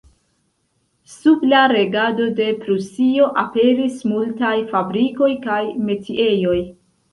Sub la regado de Prusio aperis multaj fabrikoj kaj metiejoj.